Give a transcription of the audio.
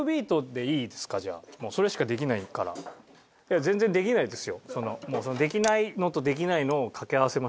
普通に全然できないですよ。